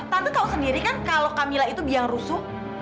tante tahu sendiri kan kalau kamila itu biang rusuh